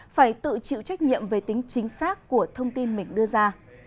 phải tự chịu trách nhiệm về tính chính xác của thông tin mình đưa ra